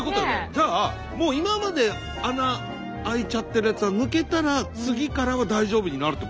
じゃあもう今まで穴あいちゃってるやつは抜けたら次からは大丈夫になるってことなのかな？